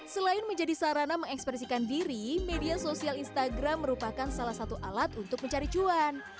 selain menjadi sarana mengekspresikan diri media sosial instagram merupakan salah satu alat untuk mencari cuan